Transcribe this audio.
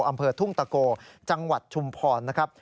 อำเภอทุ่งตะโกจังหวัดชุมพรนะครับ